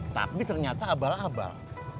tapi ternyata abal abal